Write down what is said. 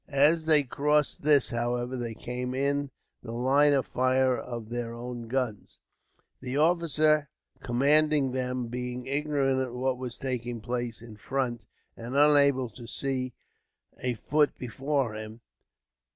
As they crossed this, however, they came in the line of fire of their own guns, the officer commanding them being ignorant of what was taking place in front, and unable to see a foot before him.